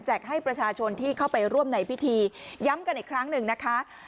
ให้ประชาชนที่เข้าไปร่วมในพิธีย้ำกันอีกครั้งหนึ่งนะคะ